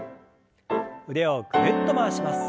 腕をぐるっと回します。